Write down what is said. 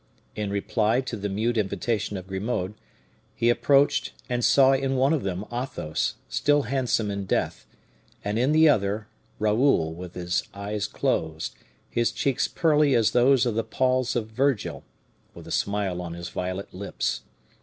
In reply to the mute invitation of Grimaud, he approached, and saw in one of them Athos, still handsome in death, and, in the other, Raoul with his eyes closed, his cheeks pearly as those of the Palls of Virgil, with a smile on his violet lips.